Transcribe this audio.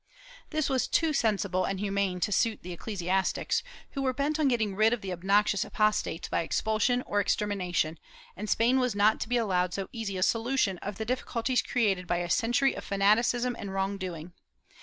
^ This was too sensible and humane to suit the ecclesiastics, who were bent on getting rid of the obnoxious apostates by expulsion or extermination, and Spain was not to be allowed so easy a solu tion of the difficulties created by a century of fanaticism and wrong doing.